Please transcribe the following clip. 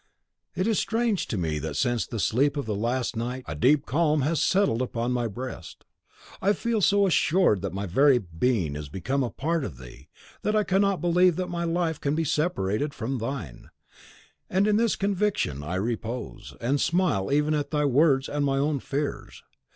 It is strange to me that since the sleep of the last night, a deep calm has settled upon my breast. I feel so assured that my very being is become a part of thee, that I cannot believe that my life can be separated from thine; and in this conviction I repose, and smile even at thy words and my own fears.